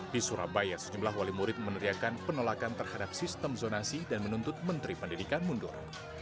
di surabaya sejumlah wali murid meneriakan penolakan terhadap sistem zonasi dan menuntut menteri pendidikan mundur